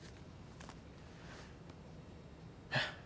えっ？